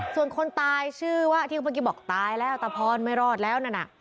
ส่วนคนตายชื่อว่าที่เมื่อกี้บอกตายแล้วตะพรไม่รอดแล้วนั่นน่ะ